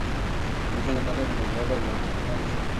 影片的拍摄地点主要在辽宁省大连市。